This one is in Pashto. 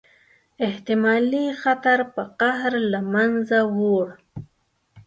احتمالي خطر په قهر له منځه ووړ.